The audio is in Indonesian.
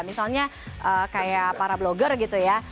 misalnya kayak para blogger gitu ya